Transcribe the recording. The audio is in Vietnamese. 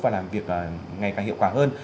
và làm việc ngày càng hiệu quả hơn